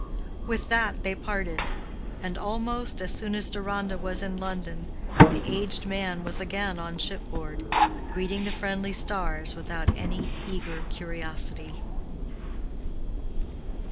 With that they parted; and almost as soon as Deronda was in London, the aged man was again on shipboard, greeting the friendly stars without any eager curiosity.